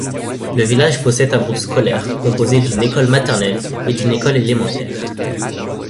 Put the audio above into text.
Le village possède un groupe scolaire, composé d'une école maternelle et d'une école élémentaire.